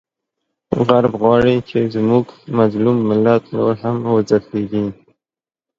غرب غواړي چې زموږ مظلوم ملت نور هم وځپیږي،